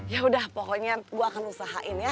yaudah pokoknya gue akan usahain ya